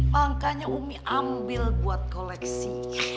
pangkanya umi ambil buat koleksi